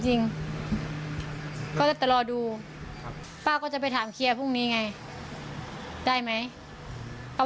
หรือได้ความเเหล็บ